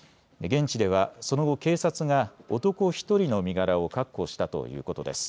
現地ではその後、警察が男１人の身柄を確保したということです。